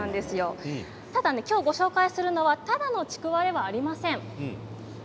ただ今日ご紹介するのはただのちくわではありません。